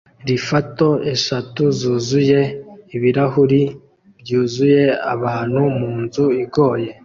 Lifator eshatu zuzuye ibirahuri byuzuye abantu munzu igoye